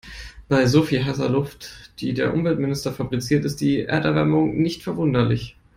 Bei so viel heißer Luft, die der Umweltminister fabriziert, ist die Erderwärmung nicht verwunderlich.